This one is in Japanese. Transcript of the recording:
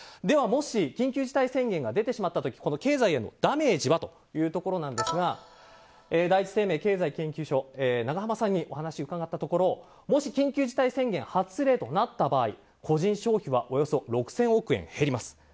では、もし緊急事態宣言が出てしまった時この経済へのダメージは？というところですが第一生命経済研究所永濱さんにお話を伺ったところもし、緊急事態宣言発令となった場合個人消費はおよそ６０００億円減ります。